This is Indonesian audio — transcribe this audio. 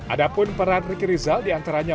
ada pun peran ricky lizal diantaranya